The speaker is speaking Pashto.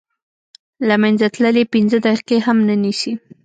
له منځه تلل یې پنځه دقیقې هم نه نیسي.